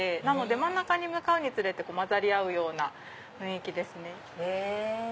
真ん中に向かうにつれて混ざり合うような雰囲気ですね。